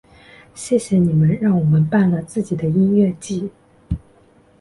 谢谢你们让我们办了自己的音乐祭！